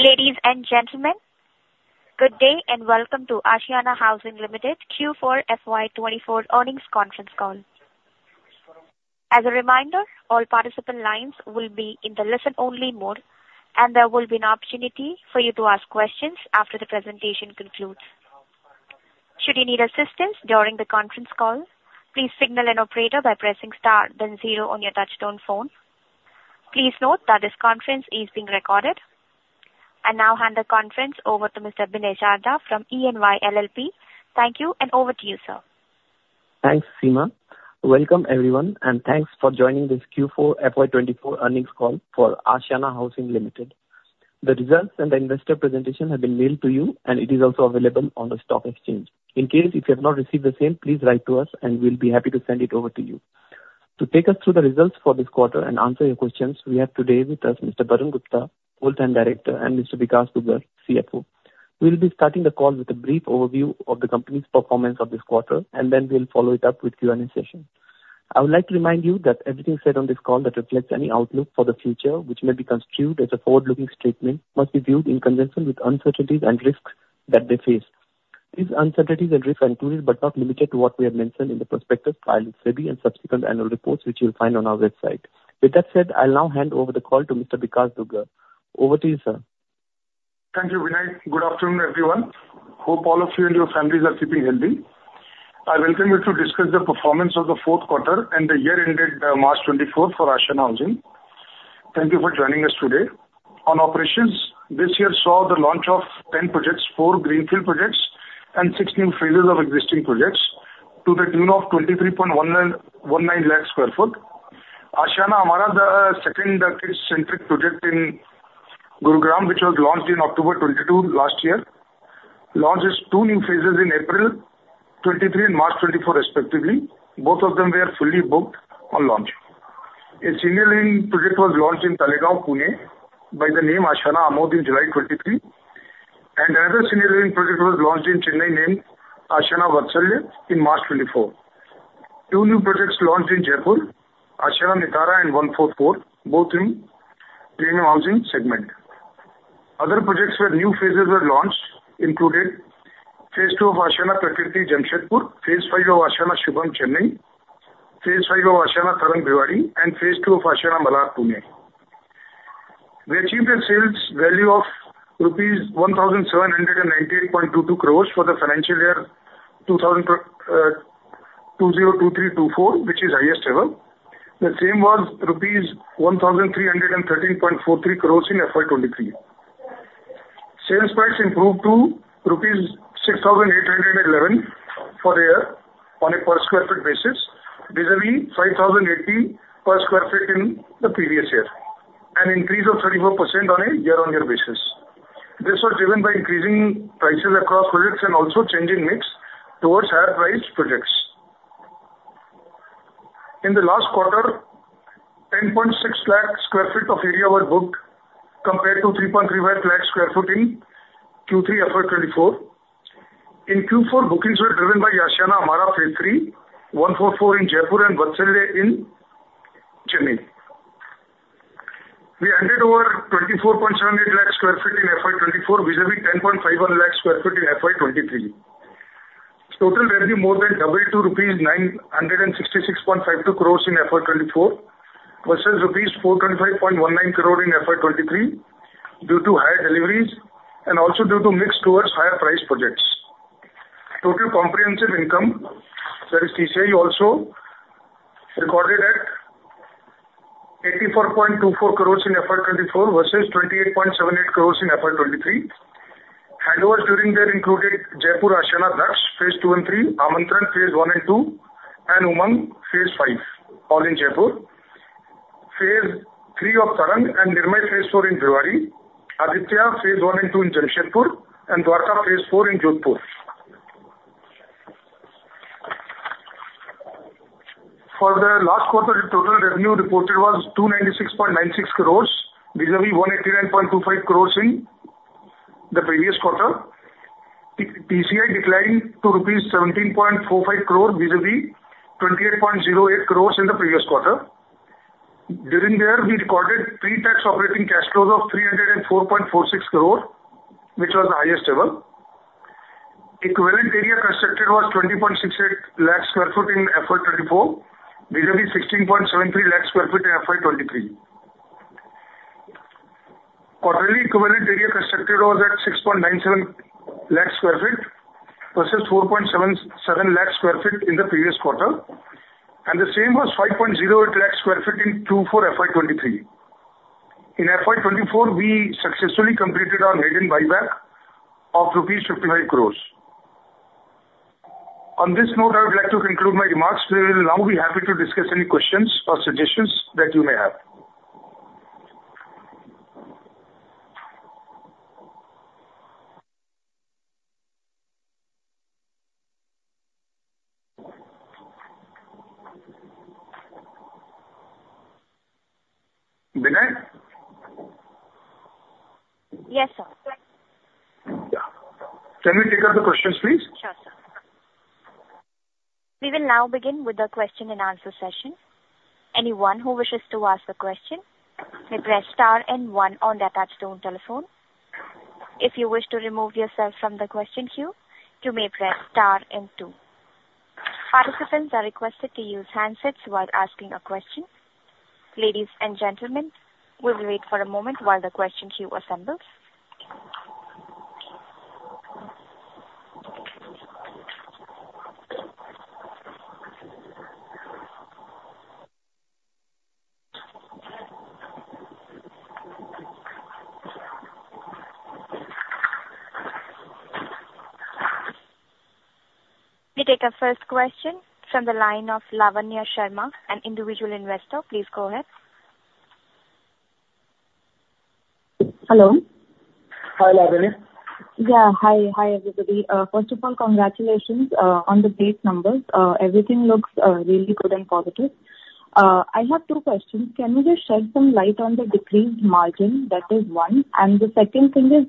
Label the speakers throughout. Speaker 1: Ladies and gentlemen, good day, and welcome to Ashiana Housing Limited Q4 FY24 earnings conference call. As a reminder, all participant lines will be in the listen-only mode, and there will be an opportunity for you to ask questions after the presentation concludes. Should you need assistance during the conference call, please signal an operator by pressing star then zero on your touchtone phone. Please note that this conference is being recorded. I now hand the conference over to Mr. Vinay Sharda from EY LLP. Thank you, and over to you, sir.
Speaker 2: Thanks, Seema. Welcome, everyone, and thanks for joining this Q4 FY 2024 earnings call for Ashiana Housing Limited. The results and the investor presentation have been mailed to you, and it is also available on the stock exchange. In case you have not received the same, please write to us, and we'll be happy to send it over to you. To take us through the results for this quarter and answer your questions, we have today with us Mr. Varun Gupta, Full-time Director, and Mr. Vikash Dugar, CFO. We'll be starting the call with a brief overview of the company's performance of this quarter, and then we'll follow it up with Q&A session. I would like to remind you that everything said on this call that reflects any outlook for the future, which may be construed as a forward-looking statement, must be viewed in conjunction with uncertainties and risks that they face. These uncertainties and risks are included, but not limited to, what we have mentioned in the prospectus filed with SEBI and subsequent annual reports, which you'll find on our website. With that said, I'll now hand over the call to Mr. Vikas Dugar. Over to you, sir.
Speaker 3: Thank you, Vinay. Good afternoon, everyone. Hope all of you and your families are keeping healthy. I welcome you to discuss the performance of the fourth quarter and the year ended March 2024 for Ashiana Housing. Thank you for joining us today. On operations, this year saw the launch of 10 projects, 4 greenfield projects, and 6 new phases of existing projects to the tune of 23.19 lakh sq ft. Ashiana Amara, the kid-centric project in Gurugram, which was launched in October 2022 last year, launched its two new phases in April 2023 and March 2024 respectively. Both of them were fully booked on launch. A senior living project was launched in Talegaon, Pune, by the name Ashiana Amod in July 2023, and another senior living project was launched in Chennai, named Ashiana Vatsalya in March 2024. Two new projects launched in Jaipur, Ashiana Nitara and ONE44, both in premium housing segment. Other projects where new phases were launched included Phase Two of Ashiana Prakriti, Jamshedpur; Phase Five of Ashiana Shubham, Chennai; Phase Five of Ashiana Tarang, Bhiwadi; and Phase Two of Ashiana Malhar, Pune. We achieved a sales value of rupees 1,798.22 crores for the financial year 2023-24, which is highest ever. The same was rupees 1,313.43 crores in FY 2023. Sales price improved to rupees 6,811 for the year on a per sq ft basis, vis-à-vis 5,080 per sq ft in the previous year, an increase of 34% on a year-on-year basis. This was driven by increasing prices across projects and also changing mix towards higher priced projects. In the last quarter, 10.6 lakh sq ft of area were booked compared to 3.35 lakh sq ft in Q3 FY 2024. In Q4, bookings were driven by Ashiana Amara Phase 3, ONE44 in Jaipur, and Vatsalya in Chennai. We handed over 24.78 lakh sq ft in FY 2024, vis-a-vis 10.51 lakh sq ft in FY 2023. Total revenue more than doubled to rupees 966.52 crores in FY 2024 versus rupees 425.19 crore in FY 2023 due to higher deliveries and also due to mix towards higher price projects. Total comprehensive income, that is TCI, also recorded at 84.24 crore in FY 2024 versus 28.78 crore in FY 2023. Handovers during the year included Jaipur Ashiana Daksh, Phase 2 and 3; Ashiana Amantran, Phase 1 and 2; and Ashiana Umang, Phase 5, all in Jaipur. Phase 3 of Ashiana Tarang and Ashiana Nirmay Phase 4 in Bhiwadi, Ashiana Aditya Phase 1 and 2 in Jamshedpur, and Ashiana Dwarka Phase 4 in Jodhpur. For the last quarter, the total revenue reported was 296.96 crore, vis-a-vis 189.25 crore in the previous quarter. TCI declined to rupees 17.45 crore, vis-a-vis 28.08 crore in the previous quarter. During the year, we recorded pre-tax operating cash flows of 304.46 crore, which was the highest ever. Equivalent area constructed was 20.68 lakh sq ft in FY 2024, vis-a-vis 16.73 lakh sq ft in FY 2023. Quarterly equivalent area constructed was at 6.97 lakh sq ft versus 4.77 lakh sq ft in the previous quarter, and the same was 5.08 lakh sq ft in Q4 FY 2023. In FY 2024, we successfully completed our maiden buyback of rupees 55 crores. On this note, I would like to conclude my remarks. We will now be happy to discuss any questions or suggestions that you may have. Vinay?
Speaker 1: Yes, sir.
Speaker 3: Yeah. Can we take up the questions, please?
Speaker 1: We will now begin with the question and answer session. Anyone who wishes to ask a question may press star and one on their touchtone telephone. If you wish to remove yourself from the question queue, you may press star and two. Participants are requested to use handsets while asking a question. Ladies and gentlemen, we'll wait for a moment while the question queue assembles. We take our first question from the line of Lavanya Sharma, an individual investor. Please go ahead.
Speaker 4: Hello.
Speaker 5: Hi, Lavanya.
Speaker 4: Yeah. Hi. Hi, everybody. First of all, congratulations on the great numbers. Everything looks really good and positive. I have two questions. Can you just shed some light on the decreased margin? That is one. And the second thing is,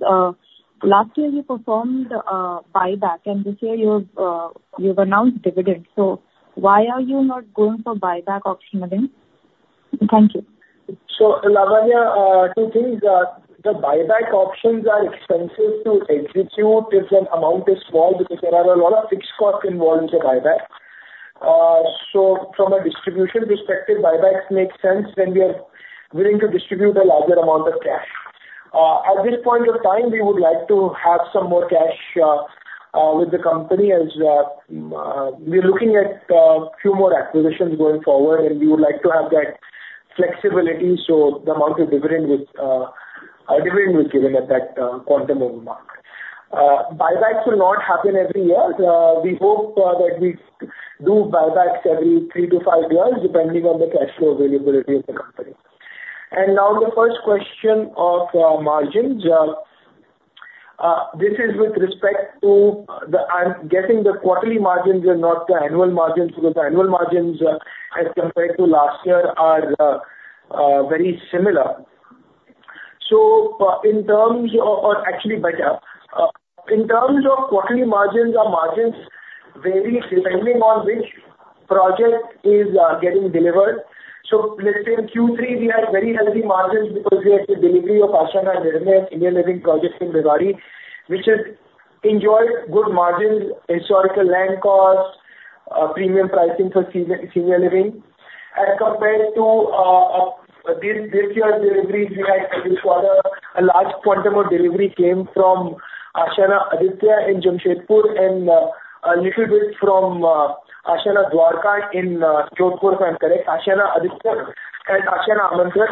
Speaker 4: last year you performed buyback, and this year you've announced dividend. So why are you not going for buyback option again? Thank you.
Speaker 5: So Lavanya, two things. The buyback options are expensive to execute if an amount is small, because there are a lot of fixed costs involved in the buyback. So from a distribution perspective, buybacks make sense when we are willing to distribute a larger amount of cash. At this point of time, we would like to have some more cash with the company as we're looking at few more acquisitions going forward, and we would like to have that flexibility so the amount of dividend which our dividend was given at that quantum end mark. Buybacks will not happen every year. We hope that we do buybacks every three to five years, depending on the cash flow availability of the company. And now the first question of margins. This is with respect to the... I'm getting the quarterly margins and not the annual margins, because annual margins, as compared to last year are, very similar. So, in terms of, or actually better. In terms of quarterly margins, our margins varies depending on which project is, getting delivered. So let's say in Q3, we had very healthy margins because we had the delivery of Ashiana Nirmay senior living project in Bhiwadi, which has enjoyed good margins, historical land costs, premium pricing for senior, senior living. As compared to, this, this year's deliveries, we had this quarter, a large quantum of delivery came from Ashiana Aditya in Jamshedpur and, a little bit from, Ashiana Dwarka in, Jodhpur, if I'm correct. Ashiana Aditya and Ashiana Amantran.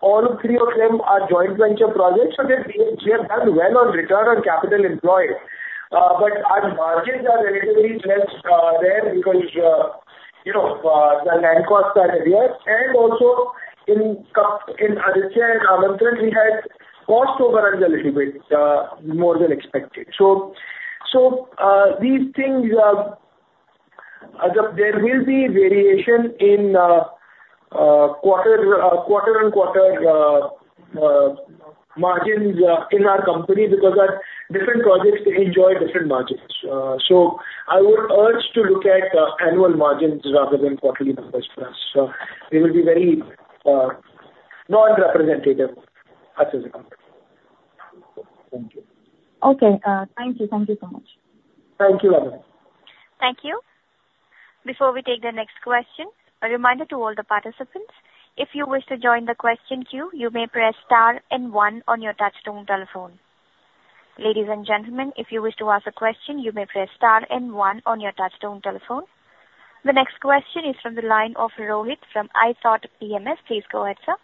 Speaker 5: All three of them are joint venture projects, so they've done well on return on capital employed. But our margins are relatively less there because, you know, the land cost are higher, and also in Aditya and Amantran, we had cost overruns a little bit more than expected. So these things are; there will be variation in quarter-on-quarter margins in our company, because our different projects enjoy different margins. So I would urge to look at annual margins rather than quarterly numbers for us. They will be very non-representative as a company. Thank you.
Speaker 4: Okay, thank you. Thank you so much.
Speaker 5: Thank you, Lavanya.
Speaker 1: Thank you. Before we take the next question, a reminder to all the participants. If you wish to join the question queue, you may press star and one on your touchtone telephone. Ladies and gentlemen, if you wish to ask a question, you may press star and one on your touchtone telephone. The next question is from the line of Rohit from iThought PMS. Please go ahead, sir.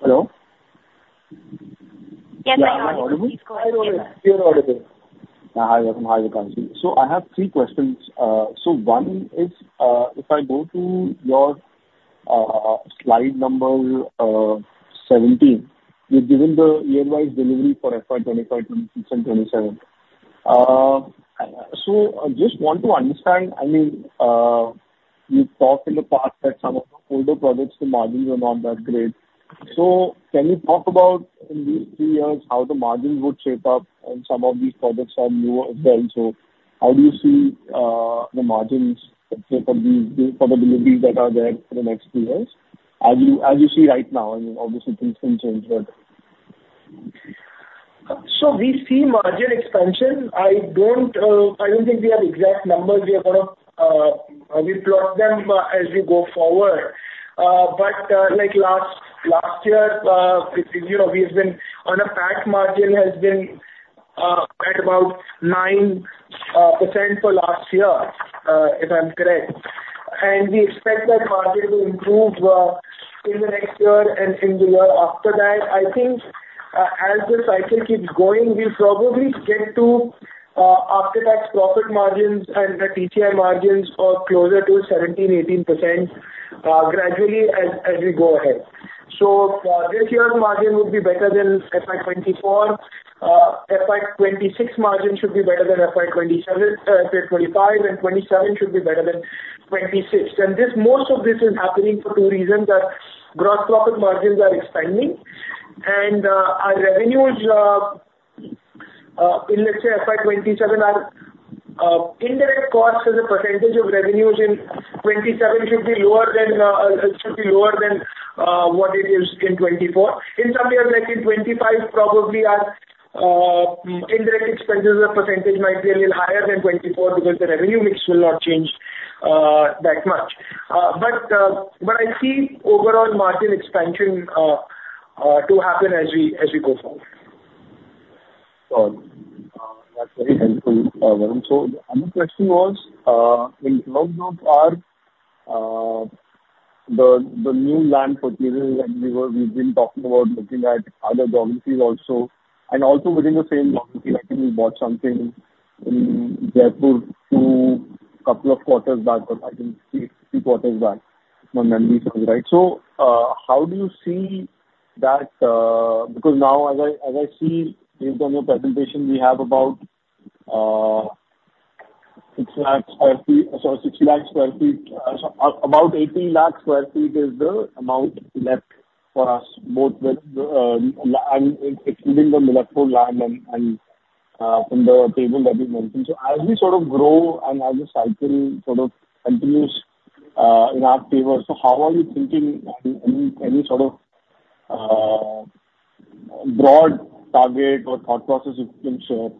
Speaker 6: Hello?
Speaker 1: Can I-
Speaker 6: Am I audible?
Speaker 5: Hi, Rohit. You are audible.
Speaker 6: Hi, welcome. Hi, everybody. So I have three questions. So one is, if I go to your, slide number 17, you've given the year-wise delivery for FY 25, 26 and 27. So I just want to understand, I mean, you talked in the past that some of the older products, the margins are not that great. So can you talk about in these three years, how the margins would shape up on some of these products are new as well? So how do you see, the margins for the, for the deliveries that are there for the next two years, as you, as you see right now? I mean, obviously, things can change, but...
Speaker 5: So we see margin expansion. I don't, I don't think we have exact numbers. We are gonna, we plot them, as we go forward. But, like last year, you know, we have been on PAT margin has been, at about 9% for last year, if I'm correct. And we expect that margin to improve, in the next year and in the year after that. I think, as the cycle keeps going, we'll probably get to, after-tax profit margins and the TCI margins are closer to 17%-18%, gradually, as we go ahead. So, this year's margin would be better than FY 2024. FY 2026 margin should be better than FY 2027, 2025, and 2027 should be better than 2026. This, most of this is happening for two reasons, that gross profit margins are expanding. Our revenues in let's say FY 2027 are indirect costs as a percentage of revenues in 2027 should be lower than, should be lower than, what it is in 2024. In some years, like in 2025, probably our indirect expenses as a percentage might be a little higher than 2024, because the revenue mix will not change that much. But I see overall margin expansion to happen as we go forward.
Speaker 6: Got it. That's very helpful, Varun. So the other question was, in terms of our, the new land purchases, and we've been talking about looking at other geographies also, and also within the same geography, I think we bought something in Jaipur 2, couple of quarters back, or I think 3 quarters back, if my memory serves right. So, how do you see that... Because now, as I see, based on your presentation, we have about 6 lakh sq ft, sorry, 6 lakh sq ft, so about 18 lakh sq ft is the amount left for us, both with and including the Milakpur land and from the table that you mentioned. So as we sort of grow and as the cycling sort of continues, in our favor, so how are you thinking, and any, any sort of, broad target or thought process you can share?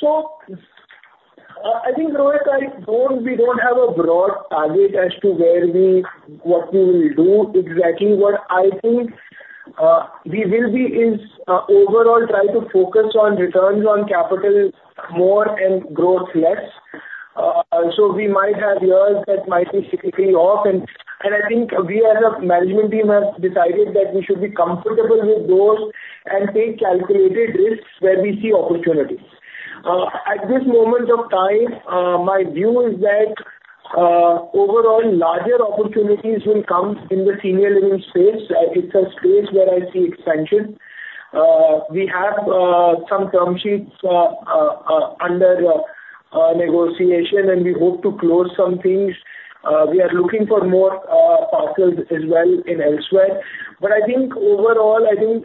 Speaker 5: So, I think, Rohit, we don't have a broad target as to where we, what we will do. Exactly, what I think, we will be is overall try to focus on returns on capital more and growth less. So we might have years that might be cyclically off, and I think we as a management team have decided that we should be comfortable with those and take calculated risks where we see opportunities. At this moment of time, my view is that overall larger opportunities will come in the senior living space. It's a space where I see expansion. We have some term sheets under negotiation, and we hope to close some things. We are looking for more parcels as well elsewhere. But I think overall, I think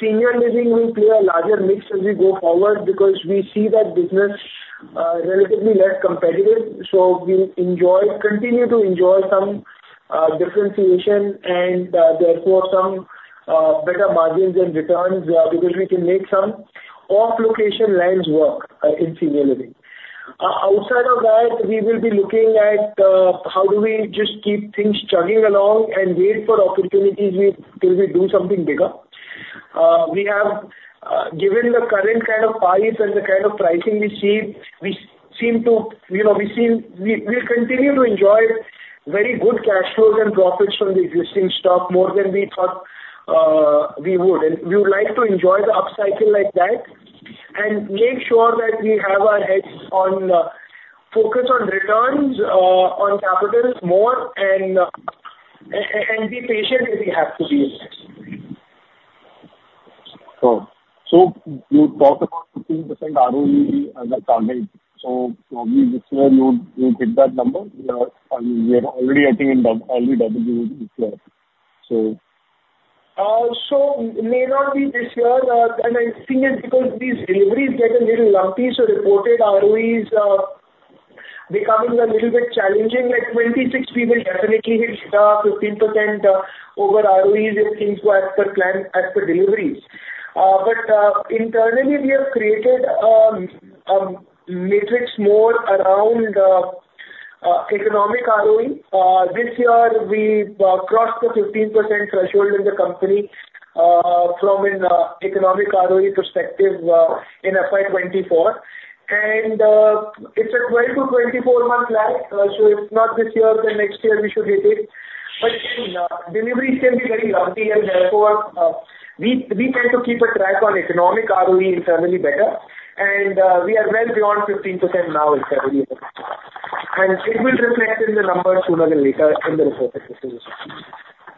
Speaker 5: senior living will play a larger mix as we go forward because we see that business, relatively less competitive. So we enjoy, continue to enjoy some, differentiation and, therefore, some, better margins and returns, because we can make some off-location lands work, in senior living. Outside of that, we will be looking at, how do we just keep things chugging along and wait for opportunities we, till we do something bigger. We have, given the current kind of price and the kind of pricing we see, we seem to, you know, we seem... We, we continue to enjoy very good cash flows and profits from the existing stock, more than we thought, we would. We would like to enjoy the upcycle like that and make sure that we have our heads on focus on returns on capitals more and be patient if we have to be.
Speaker 6: Sure. So you talked about 15% ROE as a target. So, probably this year you'll hit that number? I mean, we are already, I think, in early double digit there. So-
Speaker 5: So may not be this year, and I think it's because these deliveries get a little lumpy, so reported ROEs are becoming a little bit challenging. Like, 26, we will definitely hit the 15% over ROEs if things go as per plan, as per deliveries. But internally, we have created metrics more around economic ROE. This year we crossed the 15% threshold in the company from an economic ROE perspective in FY 2024. And it's a 12- to 24-month lag. So if not this year, then next year we should hit it. But deliveries can be very lumpy, and therefore we tend to keep a track on economic ROE internally better. And we are well beyond 15% now in terms of ROE. It will reflect in the numbers sooner than later in the reported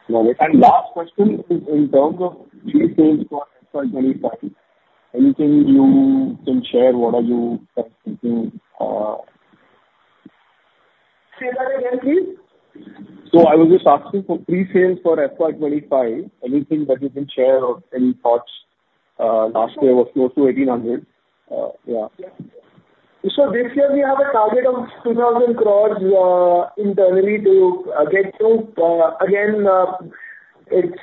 Speaker 5: ROE.
Speaker 6: Last question, in terms of pre-sales for FY25, anything you can share? What are you kind of thinking?
Speaker 5: Say that again, please.
Speaker 6: So I was just asking for pre-sales for FY 2025. Anything that you can share or any thoughts? Last year was close to 1,800, yeah.
Speaker 5: So this year, we have a target of 2,000 crores internally to get to. Again, it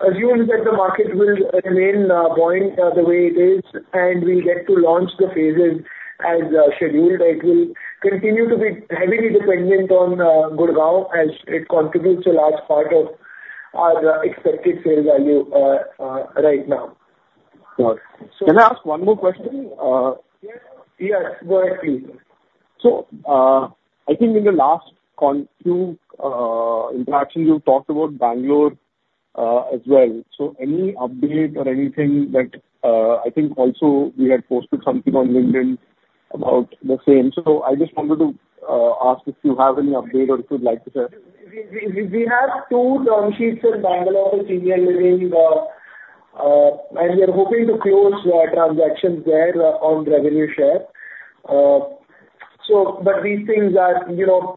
Speaker 5: assumes that the market will remain buoyant the way it is, and we'll get to launch the phases as scheduled. It will continue to be heavily dependent on Gurugram, as it contributes a large part of our expected sales value right now.
Speaker 6: Got it. Can I ask one more question?
Speaker 5: Yes. Yes, go ahead, please.
Speaker 6: So, I think in the last two interactions, you talked about Bangalore as well. So any update or anything that I think also we had posted something on LinkedIn about the same. So I just wanted to ask if you have any update or if you'd like to share.
Speaker 5: We have two term sheets in Bangalore for senior living, and we are hoping to close the transactions there on revenue share. But these things are, you know,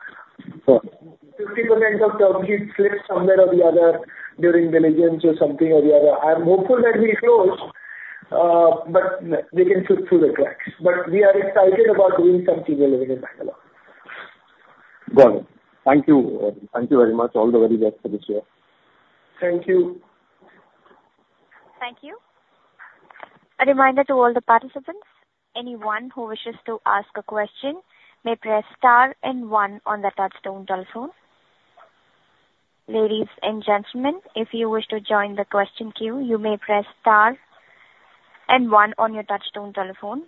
Speaker 5: 50% of the deals slip somewhere or the other during diligence or something or the other. I'm hopeful that we'll close, but deals can slip through the cracks. But we are excited about doing some senior living in Bangalore.
Speaker 6: Got it. Thank you. Thank you very much. All the very best for this year.
Speaker 5: Thank you.
Speaker 1: Thank you. A reminder to all the participants, anyone who wishes to ask a question, may press star and one on the touchtone telephone. Ladies and gentlemen, if you wish to join the question queue, you may press star and one on your touchtone telephone.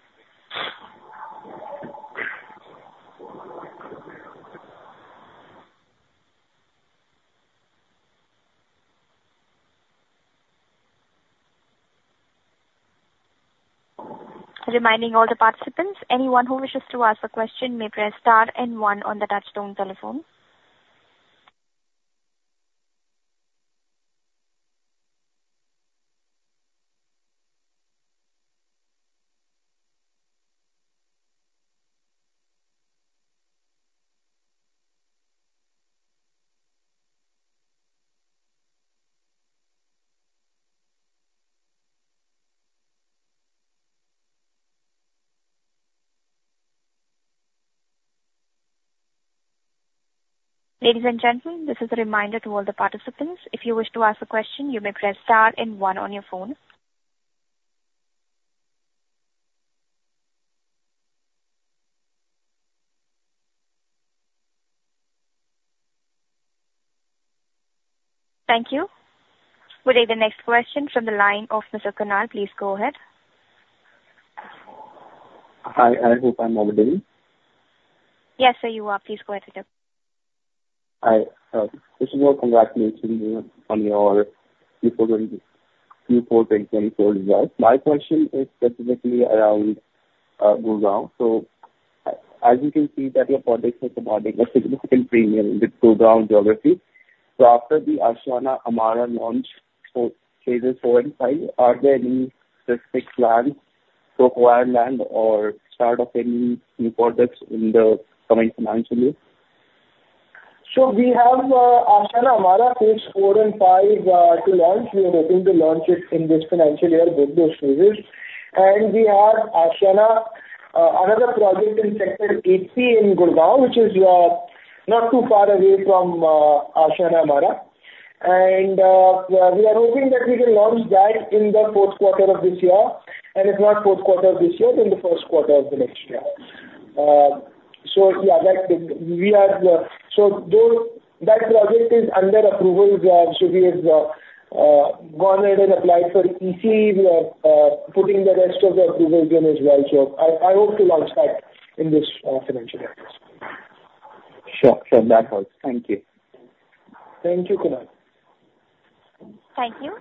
Speaker 1: Reminding all the participants, anyone who wishes to ask a question, may press star and one on the touchtone telephone. Ladies and gentlemen, this is a reminder to all the participants. If you wish to ask a question, you may press star and one on your phone. Thank you. We'll take the next question from the line of Mr. Kunal. Please go ahead.
Speaker 7: Hi, I hope I'm audible.
Speaker 1: Yes, sir, you are. Please go ahead, sir.
Speaker 7: Hi. First of all, congratulations on your Q4 2024 results. My question is specifically around Gurugram. So as you can see that your projects are commanding a significant premium with Gurugram geography. So after the Ashiana Amara launch for phases 4 and 5, are there any specific plans to acquire land or start off any new projects in the coming financial year?
Speaker 5: We have Ashiana Amara phase 4 and 5 to launch. We are hoping to launch it in this financial year, both those phases. We have Ashiana, another project in sector 80 in Gurugram, which is not too far away from Ashiana Amara. We are hoping that we can launch that in the fourth quarter of this year, and if not fourth quarter of this year, then the first quarter of the next year. So yeah, that we are... So those, that project is under approval, so we have gone ahead and applied for EC. We are putting the rest of the approval in as well. So I, I hope to launch that in this financial year.
Speaker 7: Sure. Sure. That helps. Thank you.
Speaker 5: Thank you, Kunal.
Speaker 1: Thank you.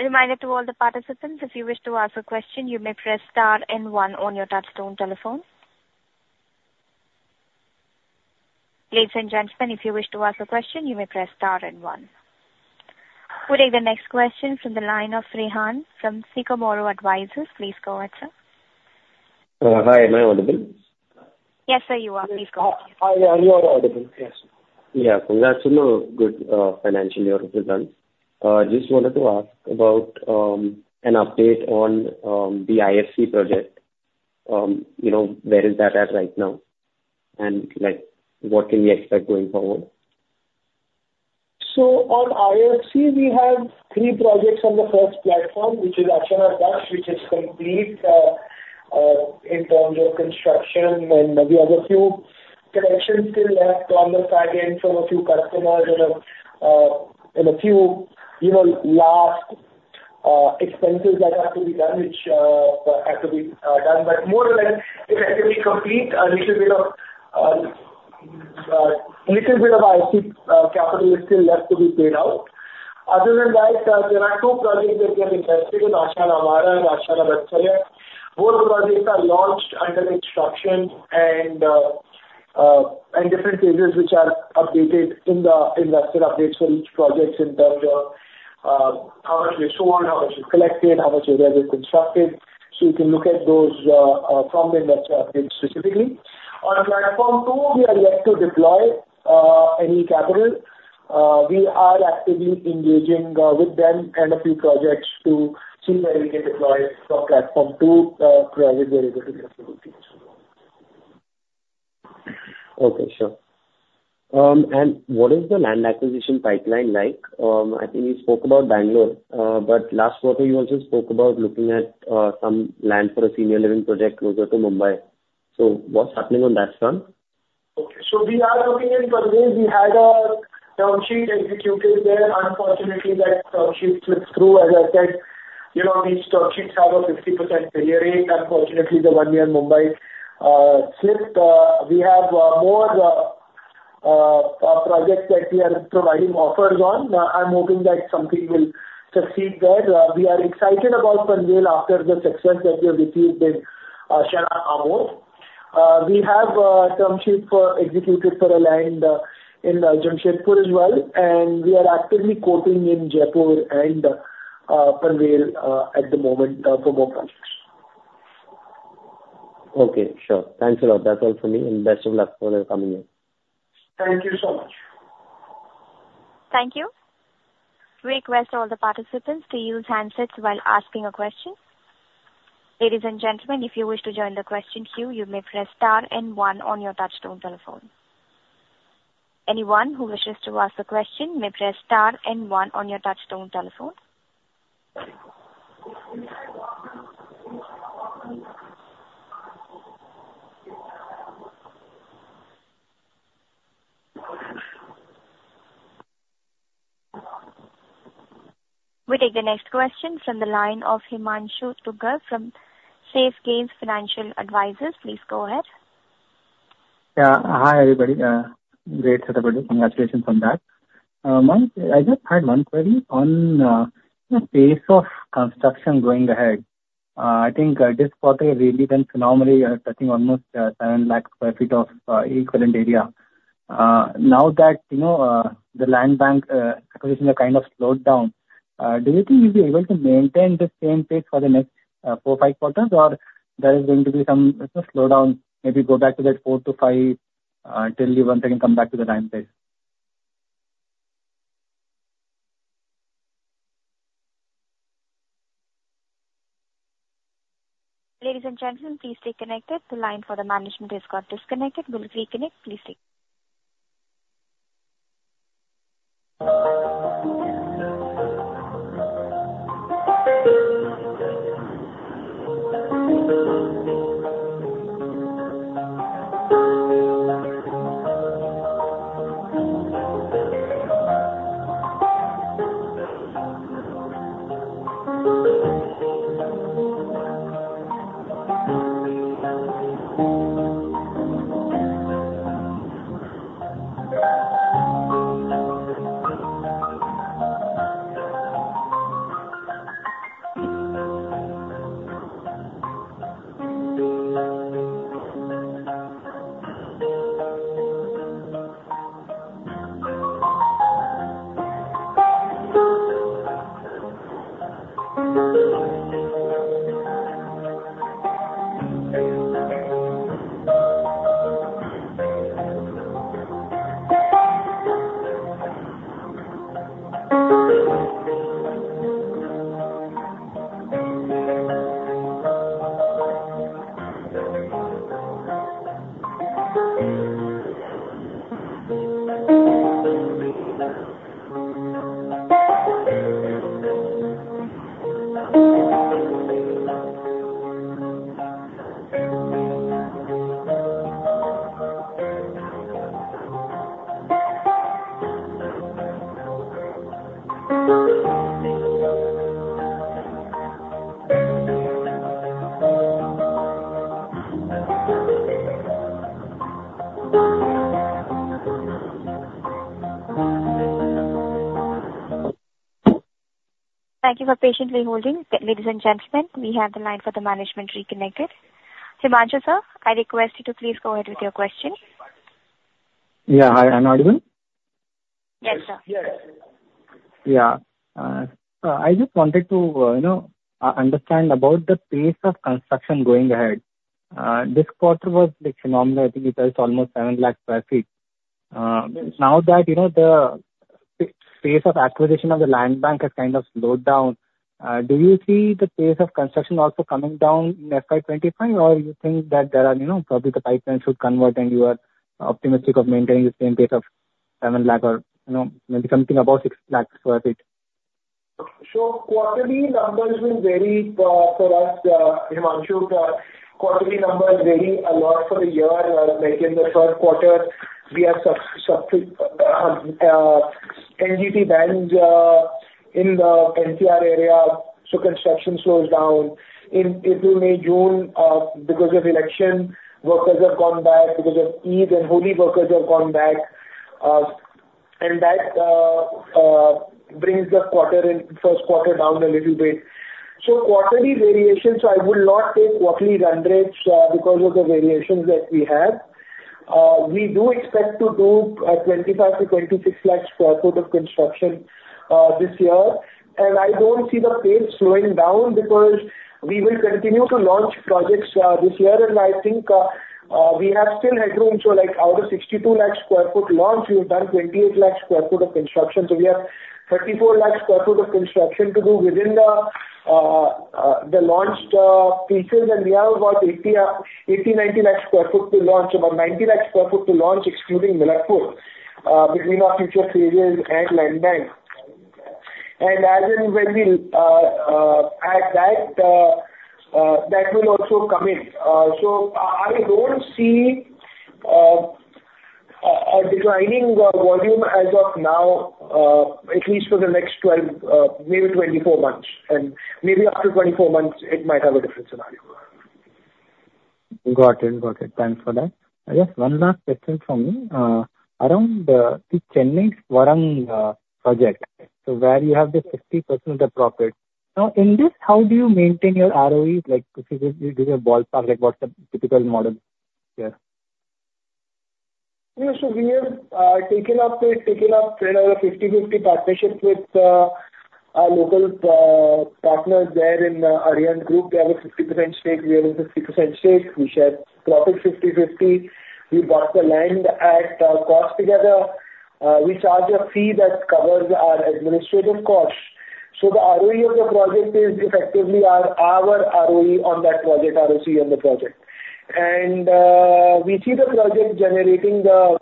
Speaker 1: A reminder to all the participants, if you wish to ask a question, you may press star and one on your touchtone telephone. Ladies and gentlemen, if you wish to ask a question, you may press star and one. We'll take the next question from the line of Rohan from Sycamore Advisors. Please go ahead, sir.
Speaker 8: Hi. Am I audible?
Speaker 1: Yes, sir, you are. Please go ahead.
Speaker 5: Hi. Hi, you are audible. Yes.
Speaker 8: Yeah. Congrats on a good financial year results. Just wanted to ask about an update on the IFC project. You know, where is that at right now? And like, what can we expect going forward?
Speaker 5: So on IFC, we have three projects on the first platform, which is Ashiana Shubham, which is complete, in terms of construction, and we have a few collections still left on the back end from a few customers and a, and a few, you know, last, expenses that have to be done, which, have to be, done. But more or less, it's actually complete. A little bit of, little bit of IFC, capital is still left to be paid out. Other than that, there are two projects that we have invested in, Ashiana Amara and Ashiana Vatsalya. Both projects are launched under construction and, and different phases, which are updated in the investor updates for each projects in terms of, how much we sold, how much we've collected, how much area we've constructed. So you can look at those, from the investor update specifically. On platform two, we are yet to deploy any capital. We are actively engaging with them and a few projects to see where we can deploy for platform two, projects where we can deploy.
Speaker 8: Okay, sure. What is the land acquisition pipeline like? I think you spoke about Bangalore, but last quarter, you also spoke about looking at some land for a senior living project closer to Mumbai. So what's happening on that front?
Speaker 5: Okay. We are looking in Pune. We had a term sheet executed there. Unfortunately, that term sheet slipped through. As I said, you know, these term sheets have a 50% failure rate. Unfortunately, the one near Mumbai slipped. We have more projects that we are providing offers on. I'm hoping that something will succeed there. We are excited about Pune after the success that we have achieved in Ashiana Amod. We have a term sheet executed for a land in Jamshedpur as well, and we are actively quoting in Jaipur and Bhiwadi at the moment for both projects.
Speaker 8: Okay, sure. Thanks a lot. That's all for me, and best of luck for the coming year.
Speaker 5: Thank you so much.
Speaker 1: Thank you. We request all the participants to use handsets while asking a question. Ladies and gentlemen, if you wish to join the question queue, you may press star and one on your touchtone telephone. Anyone who wishes to ask a question may press star and one on your touchtone telephone. We take the next question from the line of Himanshu Tugal from Safegain Financial Advisors. Please go ahead.
Speaker 9: Yeah. Hi, everybody. Great quarter. Congratulations on that. One, I just had one query on the pace of construction going ahead. I think this quarter really been phenomenal. You are touching almost 7 lakh sq ft of equivalent area. Now that, you know, the land bank acquisition has kind of slowed down, do you think you'll be able to maintain the same pace for the next 4, 5 quarters? Or there is going to be some, you know, slowdown, maybe go back to that 4-5 till you once again come back to the land bank?
Speaker 1: Ladies and gentlemen, please stay connected. The line for the management has got disconnected. We'll reconnect. Please stay- Thank you for patiently holding. Ladies and gentlemen, we have the line for the management reconnected. Himanshu, sir, I request you to please go ahead with your question.
Speaker 9: Yeah. Hi, I'm audible?
Speaker 1: Yes, sir.
Speaker 5: Yes.
Speaker 9: Yeah. So I just wanted to, you know, understand about the pace of construction going ahead. This quarter was, like, phenomenal. I think it was almost 700,000 sq ft. Now that, you know, the pace of acquisition of the land bank has kind of slowed down, do you see the pace of construction also coming down in FY 25? Or you think that there are, you know, probably the pipeline should convert, and you are optimistic of maintaining the same pace of 700,000 sq ft or, you know, maybe something above 600,000 sq ft?
Speaker 5: Quarterly numbers will vary for us, Himanshu. Quarterly numbers vary a lot for a year. Like in the first quarter, we have sub, sub NGT bans in the NCR area, so construction slows down. In April, May, June, because of election, workers have gone back. Because of Eid and Holi, workers have gone back. That brings the quarter, first quarter down a little bit. Quarterly variations, so I would not take quarterly run rates because of the variations that we have. We do expect to do 25-26 lakh sq ft of construction this year. I don't see the pace slowing down, because we will continue to launch projects this year, and I think we have still headroom. So, like, out of 62 lakh sq ft launch, we have done 28 lakh sq ft of construction. So we have 34 lakh sq ft of construction to do within the launched features, and we have about 80, 90 lakh sq ft to launch. About 90 lakh sq ft to launch, excluding Milakpur, between our future phases and land bank. And as and when we'll add that, that will also come in. So I don't see a declining volume as of now, at least for the next 12, maybe 24 months. And maybe after 24 months, it might have a different scenario.
Speaker 9: Got it. Got it. Thanks for that. I guess one last question from me. Around the Chennai Vatsalya project, so where you have the 50% of the profit. Now, in this, how do you maintain your ROE? Like, give, give a ballpark, like, what's the typical model here?
Speaker 5: Yes, so we have taken up, you know, a 50/50 partnership with our local partners there in Arihant Group. They have a 50% stake, we have a 50% stake. We share profit 50/50. We bought the land at cost together. We charge a fee that covers our administrative costs. So the ROE of the project is effectively our ROE on that project, ROC on the project. And we see the project generating the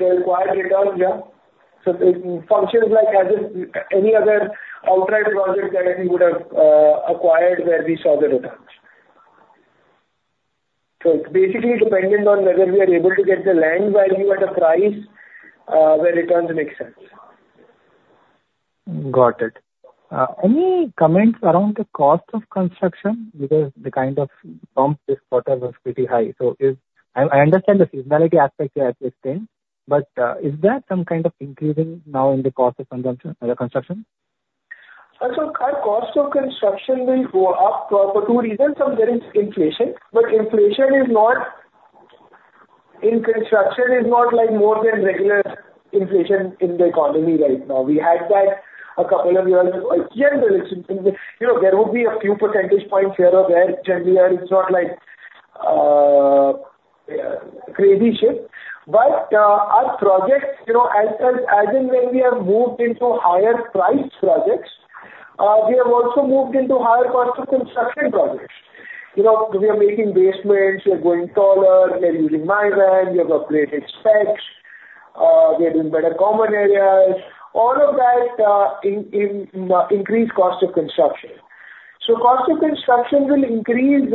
Speaker 5: required return, yeah. So it functions like as if any other outright project that we would have acquired where we saw the returns. So it's basically dependent on whether we are able to get the land value at a price where returns make sense.
Speaker 9: Got it. Any comments around the cost of construction? Because the kind of bump this quarter was pretty high. So, I understand the seasonality aspect you are explaining, but, is there some kind of increase in the cost of construction, the construction?
Speaker 5: So our cost of construction will go up for two reasons. One, there is inflation, but inflation is not in construction is not like more than regular inflation in the economy right now. We had that a couple of years ago. Yeah, there is, you know, there will be a few percentage points here or there, generally, and it's not like crazy shift. But our projects, you know, as and when we have moved into higher priced projects, we have also moved into higher cost of construction projects. You know, we are making basements, we are going taller, we are using Mivan, we have upgraded specs, we are doing better common areas. All of that increase cost of construction. So cost of construction will increase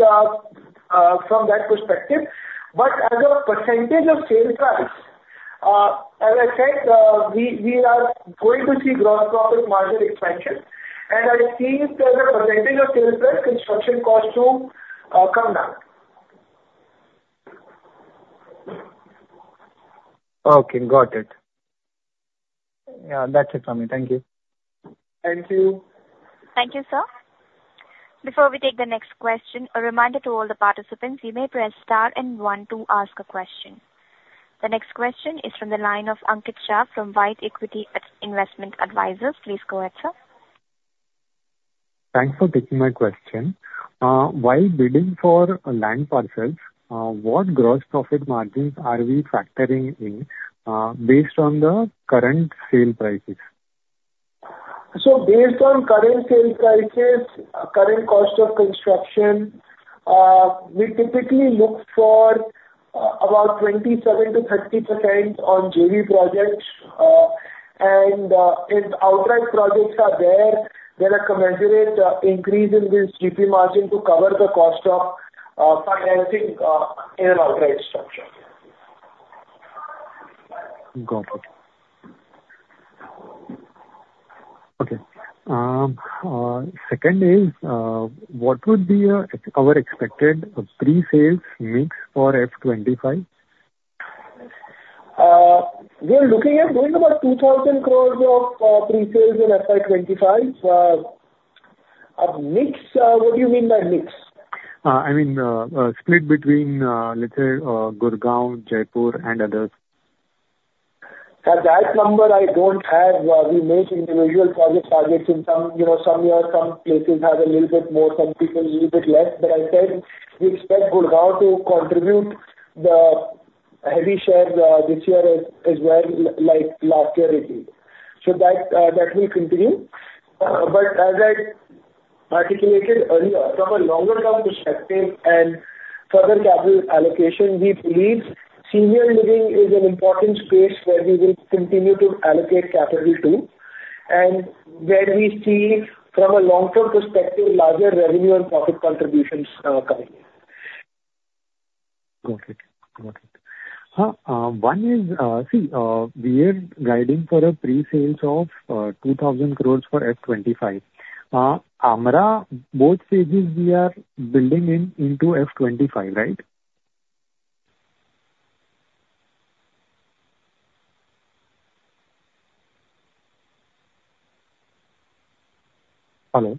Speaker 5: from that perspective. As a percentage of sales price, as I said, we are going to see gross profit margin expansion. I see as a percentage of sales price, construction costs to come down.
Speaker 9: Okay, got it. Yeah, that's it from me. Thank you.
Speaker 5: Thank you.
Speaker 1: Thank you, sir. Before we take the next question, a reminder to all the participants, you may press star and one to ask a question. The next question is from the line of Ankit Shah from White Equity Investment Advisors. Please go ahead, sir.
Speaker 10: Thanks for taking my question. While bidding for land parcels, what gross profit margins are we factoring in, based on the current sale prices?
Speaker 5: So based on current sale prices, current cost of construction, we typically look for about 27%-30% on JV projects. And if outright projects are there, there are commensurate increase in the GP margin to cover the cost of financing in an outright structure.
Speaker 10: Got it. Okay. Second is, what would be, our expected pre-sales mix for FY 25?
Speaker 5: We are looking at doing about 2,000 crores of pre-sales in FY 2025. Mix, what do you mean by mix?
Speaker 10: I mean, split between, let's say, Gurugram, Jaipur, and others.
Speaker 5: At that number, I don't have, we make individual project targets in some, you know, some years, some places have a little bit more, some places a little bit less. But I said, we expect Gurugram to contribute the heavy shares, this year as well, like last year it did. So that, that will continue. But as I articulated earlier, from a longer term perspective and further capital allocation, we believe senior living is an important space where we will continue to allocate capital to, and where we see, from a long-term perspective, larger revenue and profit contributions, coming in.
Speaker 10: Got it. Got it. One is, see, we are guiding for a pre-sales of 2,000 crore for F 25. Amara, both stages we are building in into F 25, right? Hello?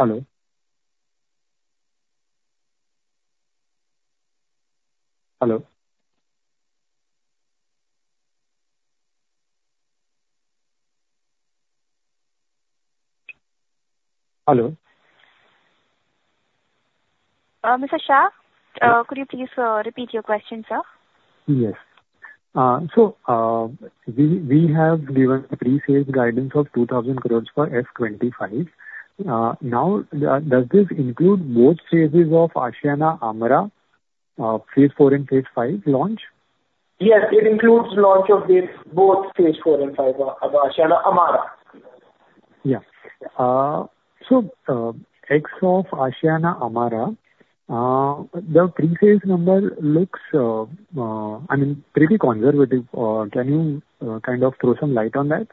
Speaker 10: Hello? Hello? Hello.
Speaker 1: Mr. Shah, could you please repeat your question, sir?
Speaker 10: Yes. So, we have given pre-sales guidance of 2,000 crore for FY 25. Now, does this include both phases of Ashiana Amara, phase 4 and phase 5 launch?
Speaker 5: Yes, it includes launch of the both phase 4 and 5 of Ashiana Amara.
Speaker 10: Yeah. So, sales of Ashiana Amara, the pre-sales number looks, I mean, pretty conservative. Can you kind of throw some light on that?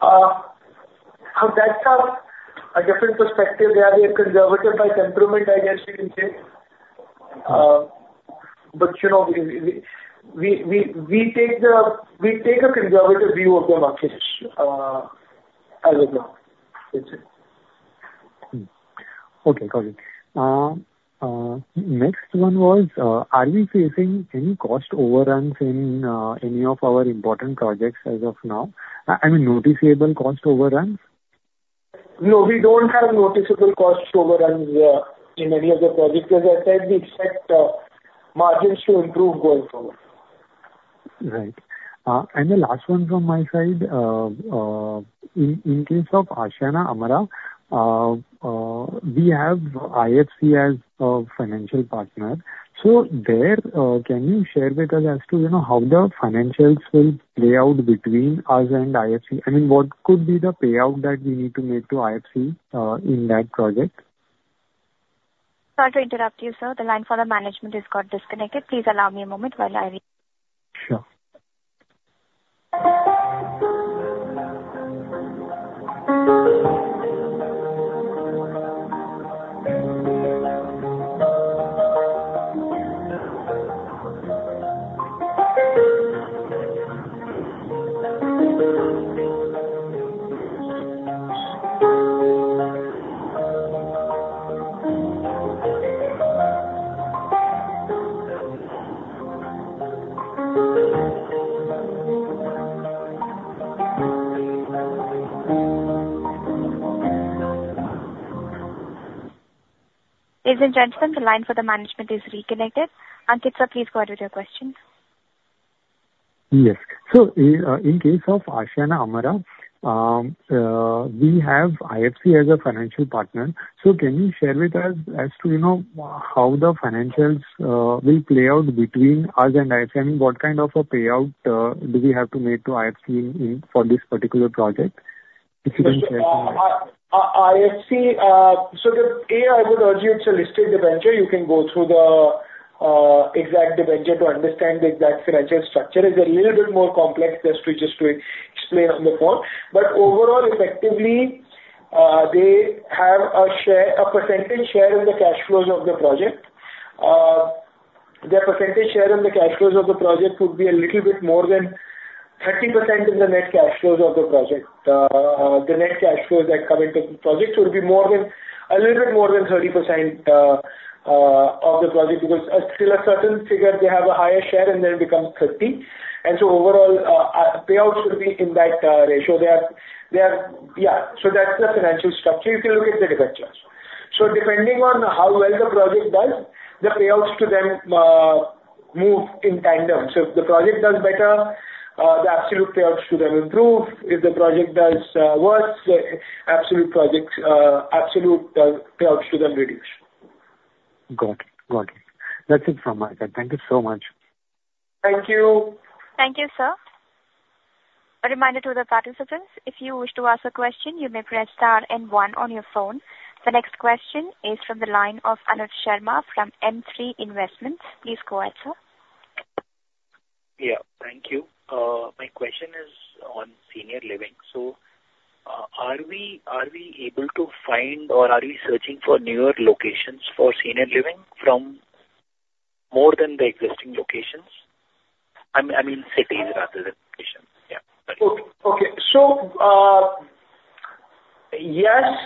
Speaker 5: So that's a different perspective. They are conservative by temperament, I guess you can say. But you know, we take a conservative view of the market, as of now. That's it.
Speaker 10: Hmm. Okay, got it. Next one was, are we facing any cost overruns in any of our important projects as of now? I mean, noticeable cost overruns?
Speaker 5: No, we don't have noticeable cost overruns in any of the projects. As I said, we expect margins to improve going forward.
Speaker 10: Right. And the last one from my side, in case of Ashiana Amara, we have IFC as a financial partner. So there, can you share with us as to, you know, how the financials will play out between us and IFC? I mean, what could be the payout that we need to make to IFC in that project?
Speaker 1: Sorry to interrupt you, sir. The line for the management has got disconnected. Please allow me a moment while I re-
Speaker 10: Sure.
Speaker 1: Ladies and gentlemen, the line for the management is reconnected. Ankit, sir, please go ahead with your questions.
Speaker 10: Yes. So, in case of Ashiana Amara, we have IFC as a financial partner. So can you share with us as to, you know, how the financials will play out between us and IFC? I mean, what kind of a payout do we have to make to IFC in, for this particular project? If you can share with us.
Speaker 5: IFC, so I would urge you to read the debenture. You can go through the exact debenture to understand the exact financial structure. It's a little bit more complex just to explain on the call. But overall, effectively, they have a share, a percentage share of the cash flows of the project. Their percentage share in the cash flows of the project would be a little bit more than 30% of the net cash flows of the project. The net cash flows that come into the project will be more than a little bit more than 30% of the project, because until a certain figure, they have a higher share and then it becomes 30. And so overall, payouts will be in that ratio. They are... Yeah, so that's the financial structure. You can look at the debentures. So depending on how well the project does, the payouts to them move in tandem. So if the project does better, the absolute payouts to them improve. If the project does worse, the absolute payouts to them reduce.
Speaker 10: Got it. Got it. That's it from my side. Thank you so much.
Speaker 5: Thank you!
Speaker 1: Thank you, sir. A reminder to the participants, if you wish to ask a question, you may press star and one on your phone. The next question is from the line of Anuj Sharma from M3 Investments. Please go ahead, sir.
Speaker 11: Yeah, thank you. My question is on senior living. So, are we, are we able to find or are we searching for newer locations for senior living from more than the existing locations? I mean, cities rather than locations. Yeah.
Speaker 5: Okay. So, yes,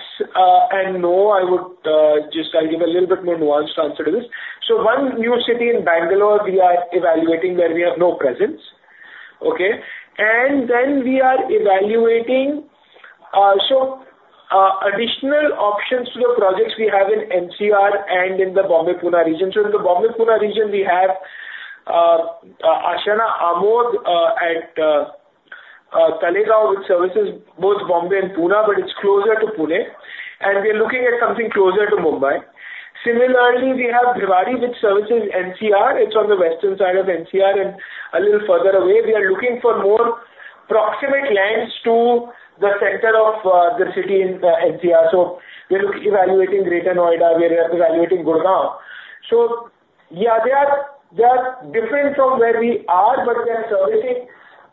Speaker 5: and no, I would just I'll give a little bit more nuanced answer to this. So one new city in Bangalore, we are evaluating, where we have no presence. Okay? And then we are evaluating, so, additional options to the projects we have in NCR and in the Bombay, Pune region. So in the Bombay, Pune region, we have Ashiana Amod at Talegaon, which services both Bombay and Pune, but it's closer to Pune, and we're looking at something closer to Mumbai. Similarly, we have Bhiwadi, which services NCR. It's on the western side of NCR and a little further away. We are looking for more proximate lands to the center of the city in the NCR. So we're evaluating Greater Noida, we are evaluating Gurgaon. So yeah, they are, they are different from where we are, but they're servicing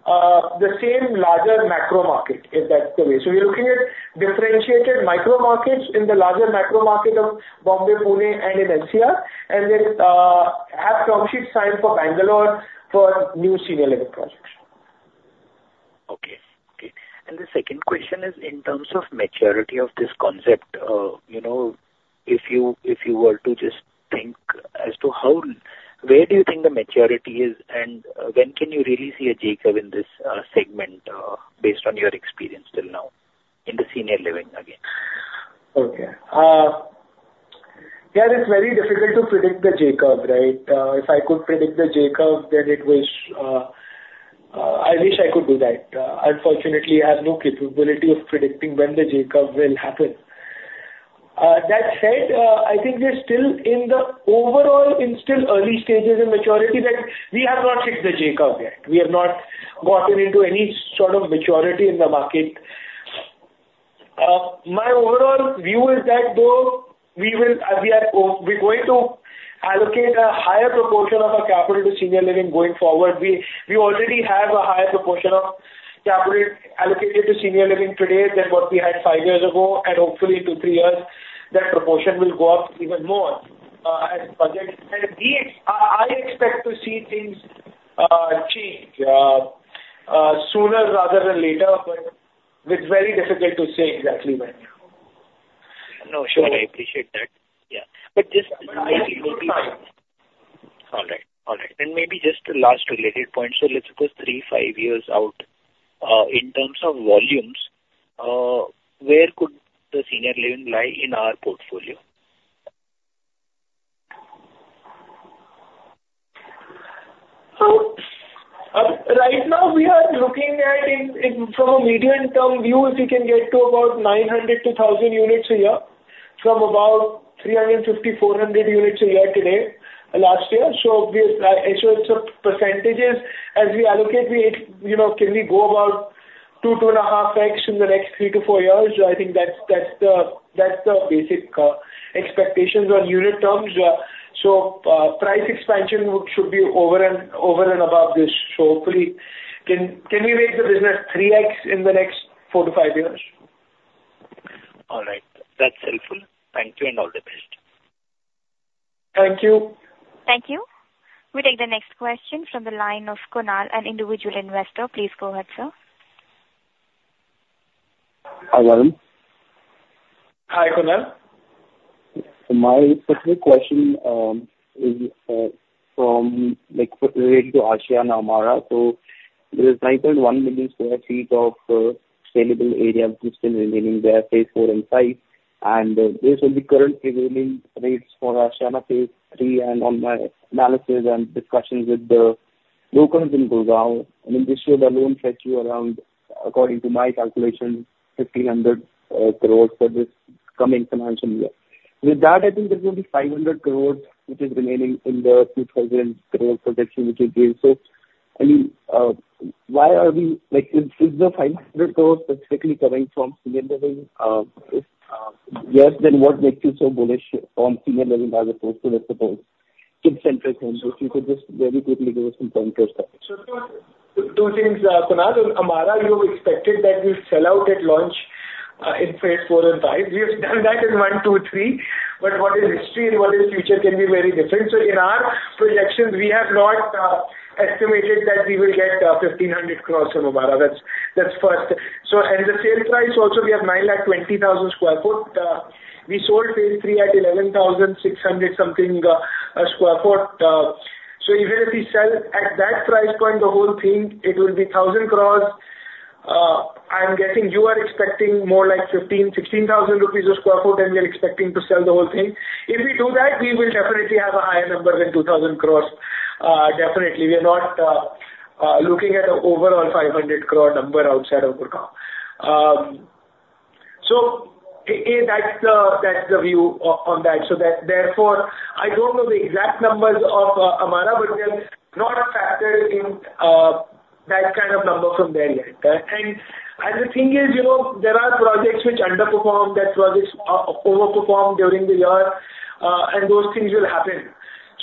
Speaker 5: the same larger macro market, if that's the way. So we are looking at differentiated micro markets in the larger macro market of Mumbai, Pune and in NCR, and then have term sheet signed for Bangalore for new senior living projects.
Speaker 11: Okay. Okay. And the second question is in terms of maturity of this concept. You know, if you, if you were to just think as to how, where do you think the maturity is, and when can you really see a J-curve in this segment, based on your experience till now, in the senior living again?
Speaker 5: Okay. Yeah, it's very difficult to predict the J-curve, right? If I could predict the J-curve, then I wish I could do that. Unfortunately, I have no capability of predicting when the J-curve will happen. That said, I think we're still in the overall in still early stages in maturity, that we have not hit the J-curve yet. We have not gotten into any sort of maturity in the market. My overall view is that, though, we will, we are, we're going to allocate a higher proportion of our capital to senior living going forward. We already have a higher proportion of capital allocated to senior living today than what we had five years ago, and hopefully in two, three years, that proportion will go up even more, as budget. I expect to see things sooner rather than later, but it's very difficult to say exactly when.
Speaker 11: No, sure, I appreciate that. Yeah. But just maybe. All right. All right. Then maybe just the last related point. So let's suppose 3-5 years out, in terms of volumes, where could the senior living lie in our portfolio?
Speaker 5: Right now, we are looking at, in from a medium-term view, if we can get to about 900-1,000 units a year, from about 350-400 units a year today, last year. So in percentages, as we allocate, we, you know, can we go about 2-2.5x in the next 3-4 years? I think that's the basic expectations on unit terms. So price expansion should be over and above this. So hopefully... Can we make the business 3x in the next 4-5 years?
Speaker 11: All right. That's helpful. Thank you, and all the best.
Speaker 5: Thank you.
Speaker 1: Thank you. We take the next question from the line of Kunal, an individual investor. Please go ahead, sir.
Speaker 12: Hi, Arun.
Speaker 5: Hi, Kunal.
Speaker 12: My specific question is from like related to Ashiana Amara. So there is 9.1 million sq ft of sellable area still remaining there, phase four and five. And based on the current prevailing rates for Ashiana phase three and on my analysis and discussions with the locals in Gurugram, and this should alone fetch you around, according to my calculation, 1,500 crore for this coming financial year. With that, I think there's going to be 500 crore, which is remaining in the 2,000 crore projection, which you gave. So I mean, why are we like, is the 500 crore specifically coming from senior living? If yes, then what makes you so bullish on senior living market as opposed to, let's suppose, kid-centric homes? If you could just very quickly give us some pointers there.
Speaker 5: So two things, Kunal. Amara, you expected that we'll sell out at launch in phase 4 and 5. We have done that in 1, 2, 3, but what is history and what is future can be very different. So in our projections, we have not estimated that we will get 1,500 crore from Amara. That's, that's first. So and the sale price also, we have 9.2 lakh twenty thousand sq ft. We sold phase 3 at 11,600-something sq ft. So even if we sell at that price point, the whole thing, it will be 1,000 crore. I'm guessing you are expecting more like 15,000-16,000 rupees a sq ft, and we are expecting to sell the whole thing. If we do that, we will definitely have a higher number than 2,000 crore. Definitely, we are not looking at an overall 500 crore number outside of Gurgaon. That's the view on that. Therefore, I don't know the exact numbers of Amara, but they are not a factor in that kind of number from there yet, and the thing is, you know, there are projects which underperform, there are projects overperform during the year, and those things will happen.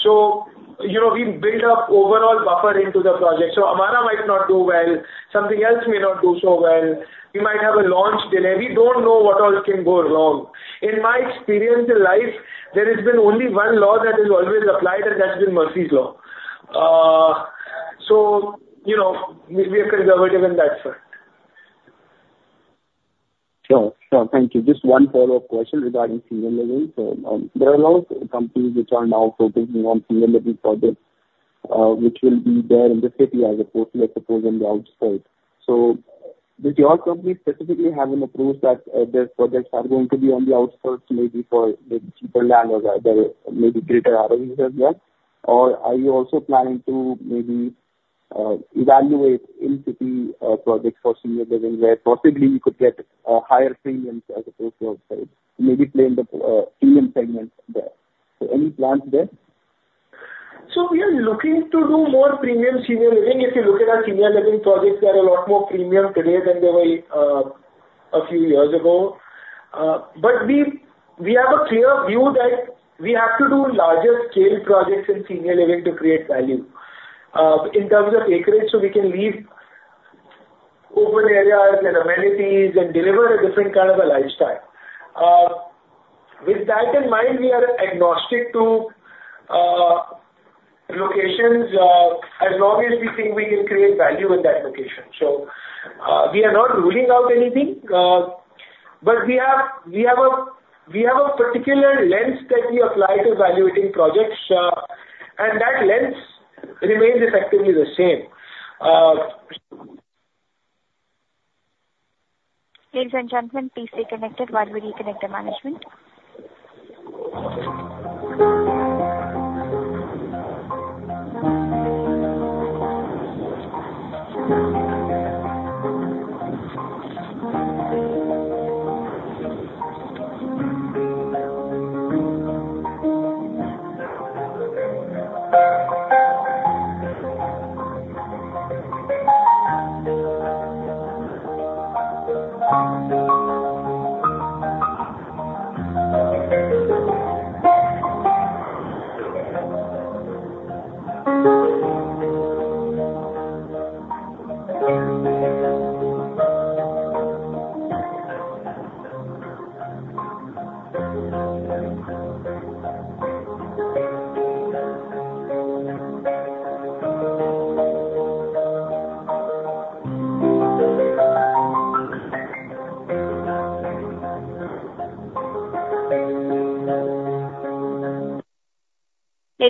Speaker 5: So, you know, we build up overall buffer into the project. So Amara might not do well, something else may not do so well, we might have a launch delay. We don't know what else can go wrong. In my experience in life, there has been only one law that is always applied, and that's been Murphy's Law. You know, we are conservative in that sense.
Speaker 12: Sure. Sure, thank you. Just one follow-up question regarding senior living. So, there are a lot of companies which are now focusing on senior living projects, which will be there in the city as opposed to, let's suppose, on the outskirts. So did your company specifically have an approach that, their projects are going to be on the outskirts, maybe for the cheaper land or the maybe greater ROIs as well? Or are you also planning to maybe, evaluate in-city, projects for senior living, where possibly you could get a higher premiums as opposed to outskirts, maybe play in the, premium segment there? So any plans there?
Speaker 5: So we are looking to do more premium senior living. If you look at our senior living projects, they are a lot more premium today than they were a few years ago. But we have a clear view that we have to do larger scale projects in senior living to create value. In terms of acreage, so we can leave open areas and amenities and deliver a different kind of a lifestyle. With that in mind, we are agnostic to locations, as long as we think we can create value in that location. So, we are not ruling out anything, but we have a particular lens that we apply to evaluating projects, and that lens remains effectively the same.
Speaker 1: Ladies and gentlemen, please stay connected while we reconnect the management.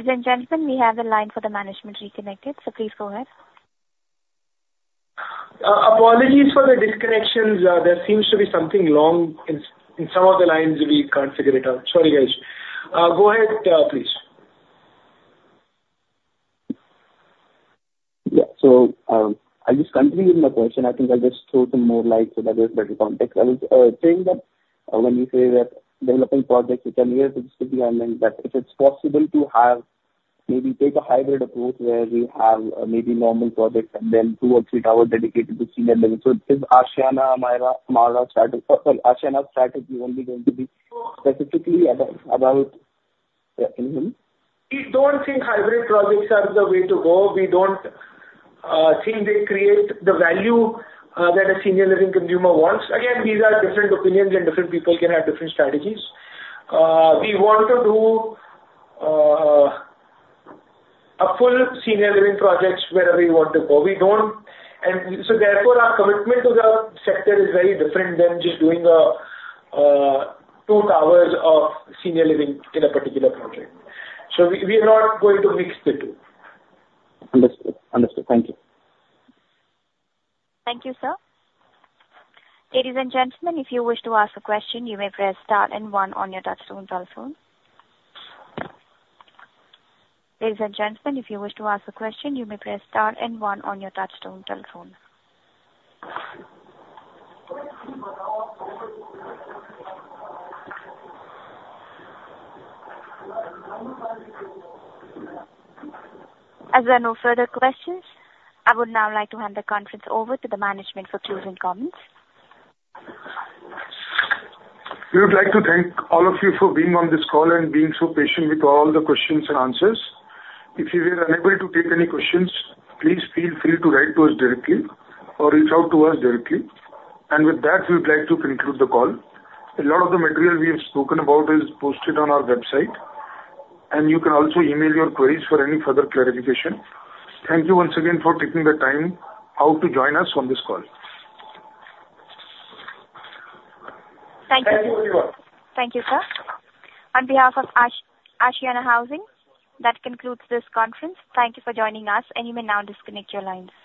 Speaker 1: Ladies and gentlemen, we have the line for the management reconnected, so please go ahead.
Speaker 5: Apologies for the disconnections. There seems to be something wrong in some of the lines. We can't figure it out. Sorry, guys. Go ahead, please.
Speaker 12: Yeah. So, I'll just continue with my question. I think I'll just throw some more light so that there's better context. I was saying that when you say that developing projects, which are near, that if it's possible to have maybe take a hybrid approach where you have, maybe normal projects and then two or three tower dedicated to senior living. So is Ashiana Amara strategy... sorry, Ashiana strategy only going to be specifically about, in-home?
Speaker 5: We don't think hybrid projects are the way to go. We don't think they create the value that a senior living consumer wants. Again, these are different opinions, and different people can have different strategies. We want to do a full senior living projects wherever we want to go. Therefore, our commitment to the sector is very different than just doing a two towers of senior living in a particular project. So we, we are not going to mix the two. Understood. Understood. Thank you.
Speaker 1: Thank you, sir. Ladies and gentlemen, if you wish to ask a question, you may press star and one on your touchtone telephone. Ladies and gentlemen, if you wish to ask a question, you may press star and one on your touchtone telephone. As there are no further questions, I would now like to hand the conference over to the management for closing comments.
Speaker 3: We would like to thank all of you for being on this call and being so patient with all the questions and answers. If you were unable to take any questions, please feel free to write to us directly or reach out to us directly, and with that, we'd like to conclude the call. A lot of the material we have spoken about is posted on our website, and you can also email your queries for any further clarification. Thank you once again for taking the time out to join us on this call.
Speaker 1: Thank you.
Speaker 5: Thank you, everyone.
Speaker 1: Thank you, sir. On behalf of Ashiana Housing, that concludes this conference. Thank you for joining us, and you may now disconnect your lines.